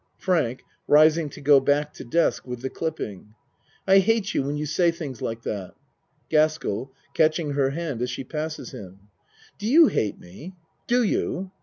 FRANK (Rising to go back to desk with the clipping.) I hate you when you say things like that. GASKELL (Catching her hand as she passes him.) Do you hate me! Do you?